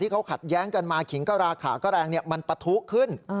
เขาขัดแย้งกันมาขิงก็ราคาก็แรงมันปะทุขึ้น